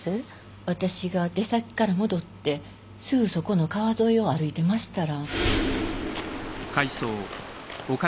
私が出先から戻ってすぐそこの川沿いを歩いてましたら。